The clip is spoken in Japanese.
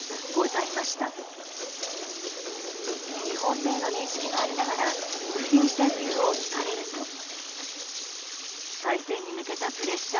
違法性の認識がありながら運転した理由を聞かれると。